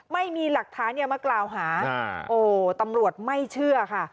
ไม่มีหลักฐานอย่ามากล่าวหาโอ้ตำรวจไม่เชื่อค่ะ